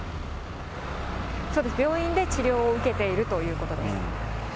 そうです、病院で治療を受けているということです。